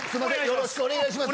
よろしくお願いします。